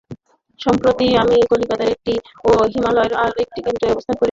সম্প্রতি আমি কলিকাতায় একটি ও হিমালয়ে আর একটি কেন্দ্র স্থাপন করতে যাচ্ছি।